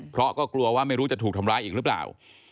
เพราะก็กลัวว่าไม่รู้จะถูกทำร้ายอีกหรือเปล่า